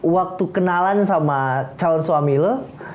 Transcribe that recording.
waktu kenalan sama calon suami lo